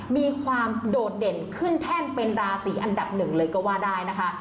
มีความโดดเด่นขึ้นแท่นเป็นราศีอันดับหนึ่งเลยก็ว่าได้นะคะ